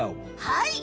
はい。